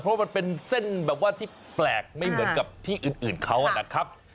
เพราะมันเป็นเส้นแบบว่าที่แปลกไม่เหมือนกับที่อื่นเขานะครับ